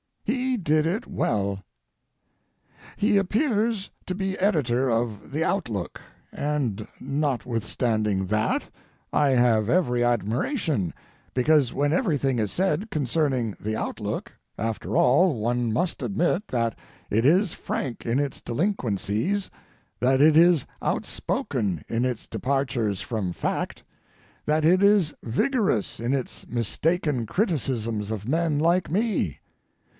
He did it well. He appears to be editor of The Outlook, and notwithstanding that, I have every admiration, because when everything is said concerning The Outlook, after all one must admit that it is frank in its delinquencies, that it is outspoken in its departures from fact, that it is vigorous in its mistaken criticisms of men like me.